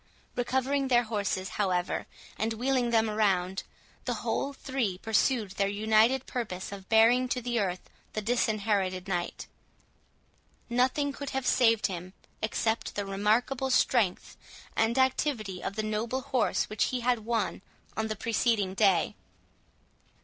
Recovering their horses however, and wheeling them round, the whole three pursued their united purpose of bearing to the earth the Disinherited Knight. Nothing could have saved him, except the remarkable strength and activity of the noble horse which he had won on the preceding day.